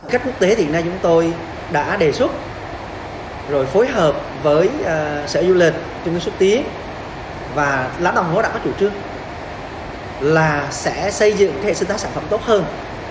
khách quốc tế hiện nay chúng tôi đã đề xuất rồi phối hợp với sở du lịch trung tâm xúc tiến và lá đồng hóa đã có chủ trương là sẽ xây dựng hệ sinh tác sản phẩm tốt hơn